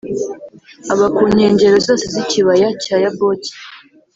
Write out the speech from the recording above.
aba ku nkengero zose z’ikibaya cya Yaboki